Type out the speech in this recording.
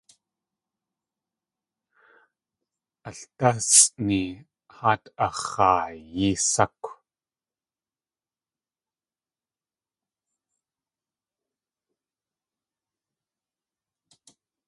Aldásʼni haa atx̲aayí sákw.